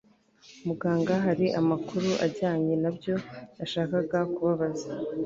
Muganga hari amakuru ajyanye nabyo nashakaga kubabaza